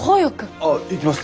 ああ行きます。